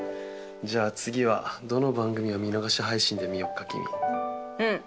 じゃあ次はどの番組を見逃し配信で見よっかキミ。